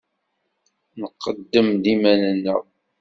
Nqeddem-d iman-nneɣ.